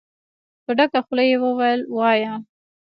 په ډکه خوله يې وويل: وايه!